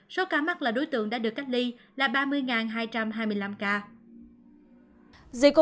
số ca mắc là đối tượng đã được cách ly là ba mươi hai trăm hai mươi năm ca